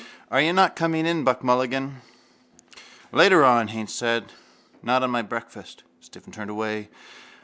—Are you not coming in? Buck Mulligan asked. —Later on, Haines said. Not on my breakfast. Stephen turned away.